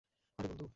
আরে, বন্ধু।